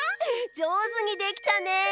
じょうずにできたね。